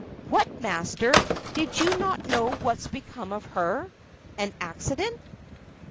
"What, master! did not you know what's become of her?" "Any accident?